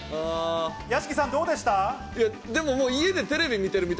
屋敷さん、どうでした？